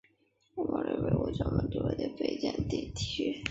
蒙哥马利是位于美国加利福尼亚州门多西诺县的一个非建制地区。